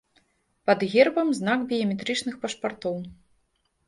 Пад гербам знак біяметрычных пашпартоў.